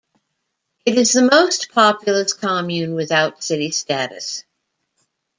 It is the most-populous commune without city status.